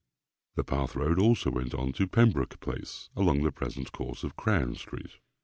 The path road also went on to Pembroke place, along the present course of Crown street.